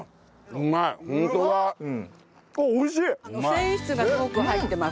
繊維質がすごく入ってます。